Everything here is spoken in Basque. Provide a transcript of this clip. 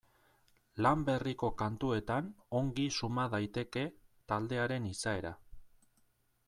Lan berriko kantuetan ongi suma daiteke taldearen izaera.